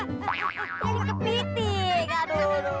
ini kepiting aduh